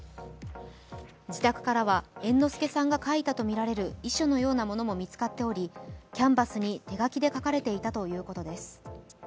自宅からは猿之助さんが書いたとみられる遺書のようなものも見つかっておりキャンバスに手書きで書かれていたということです。